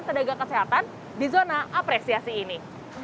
tenaga kesehatan di zona apresiasi ini